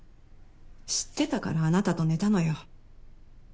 知ってたからあなたと寝たのよ。